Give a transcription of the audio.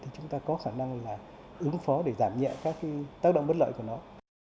thì chúng ta có khả năng là ứng phó để giảm nhẹ các tác động bất lợi của nó